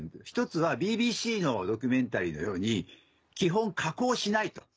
１つはＢＢＣのドキュメンタリーのように基本加工しないと。